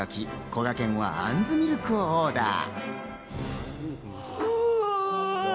こがけんは杏ミルクをオーダー。